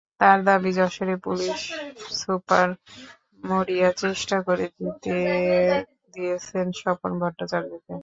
তাঁর দাবি, যশোরের পুলিশ সুপার মরিয়া চেষ্টা করে জিতিয়ে দিয়েছেন স্বপন ভট্টাচার্যকে।